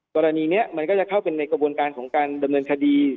กรณีนี้มันก็จะเข้าเป็นในกระบวนการของการดำเนินคดี